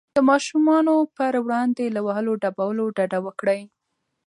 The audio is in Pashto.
د ماشومانو پر وړاندې له وهلو ډبولو ډډه وکړئ.